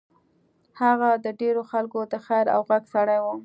هغه د ډېرو خلکو د خېر او غږ سړی و.